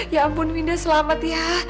ya ampun winda selamat ya